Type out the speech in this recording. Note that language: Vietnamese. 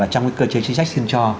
trong cái cơ chế chính sách xin cho